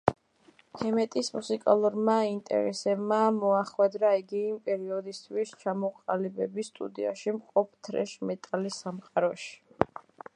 ჰემეტის მუსიკალურმა ინტერესმა მოახვედრა იგი იმ პერიოდისთვის ჩამოყალიბების სტადიაში მყოფ თრეშ მეტალის სამყაროში.